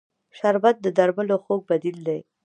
شربت د درملو خوږ بدیل دی